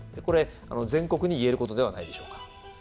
これ全国に言えることではないでしょうか。